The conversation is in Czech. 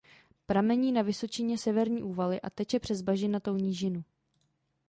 Pramení na vysočině Severní Úvaly a teče přes bažinatou nížinu.